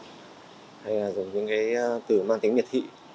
hay là dùng những cái từ mang tính miệt thị